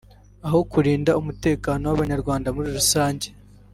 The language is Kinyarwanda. aho kurinda umutekano w’Abanyarwanda muri rusange